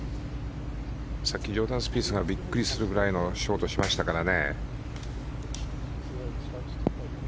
さっきジョーダン・スピースがびっくりするぐらいのショートしましたからね。